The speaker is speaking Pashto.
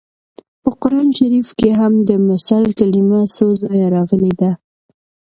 په قران شریف کې هم د مثل کلمه څو ځایه راغلې ده